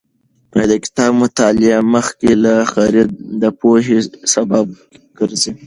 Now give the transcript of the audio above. د کتاب مطالعه مخکې له خرید د پوهې سبب ګرځي.